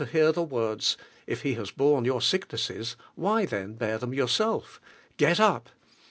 hear the words, "If He has borne your sicknesses, why then bear them yourself? Get up."